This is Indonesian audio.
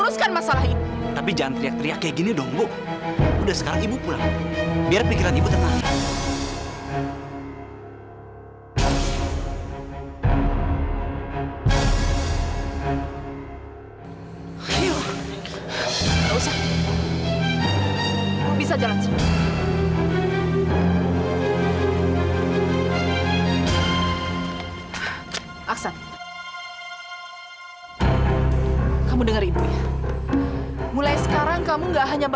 sampai jumpa di video selanjutnya